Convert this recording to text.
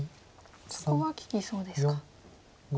そこは利きそうですか。